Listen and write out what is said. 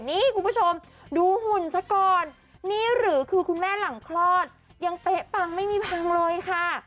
นี่คุณผู้ชมดูหุ่นซะก่อนนี่หรือคือคุณแม่หลังคลอดยังเป๊ะปังไม่มีพังเลยค่ะ